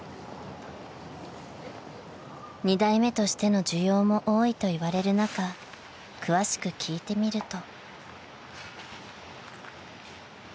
［２台目としての需要も多いといわれる中詳しく聞いてみると］